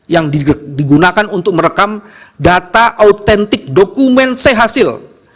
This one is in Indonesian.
yang digunakan untuk merekam data autentik dokumen chasil